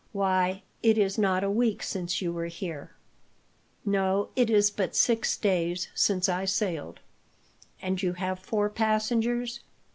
"Why, it is not a week since you were here!" "No, it is but six days since I sailed." "And you have four passengers?"